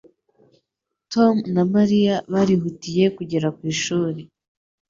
Tom na Mariya barihutiye kugera ku ishuri.